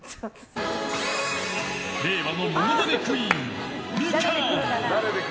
令和のものまねクイーンみかん。